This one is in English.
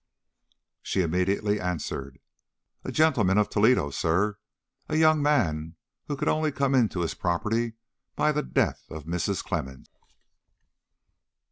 She immediately answered: "A gentleman of Toledo, sir; a young man who could only come into his property by the death of Mrs. Clemmens."